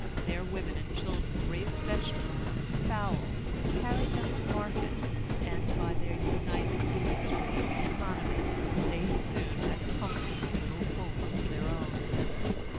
Their women and children raised vegetables and fowls and carried them to market; and, by their united industry and economy, they soon had comfortable little homes of their own.